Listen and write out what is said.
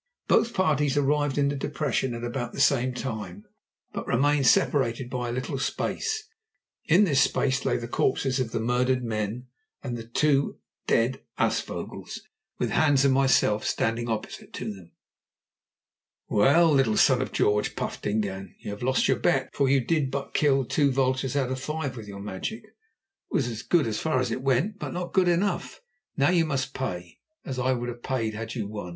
Both parties arrived in the depression at about the same time, but remained separated by a little space. In this space lay the corpses of the murdered men and the two dead aasvogels, with Hans and myself standing opposite to them. "Well, little Son of George," puffed Dingaan, "you have lost your bet, for you did but kill two vultures out of five with your magic, which was good as far as it went, but not good enough. Now you must pay, as I would have paid had you won."